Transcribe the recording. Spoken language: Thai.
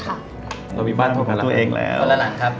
อ๋อเรามีบ้านตัวของตัวเองแล้วกระสวงกระหล่า๖ตัวละหลังครับ